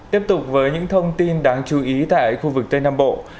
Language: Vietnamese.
tiếp tục với những thông tin đáng chú ý tại khu vực tây nam bộ